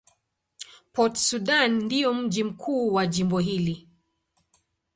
Port Sudan ndio mji mkuu wa jimbo hili.